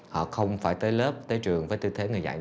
họ không phải tới lớp tới trường với tư thế người dạy